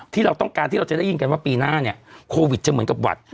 ที่เราต้องการที่เราจะได้ยินกันว่าปีหน้าเนี่ยโควิดจะเหมือนกับหวัด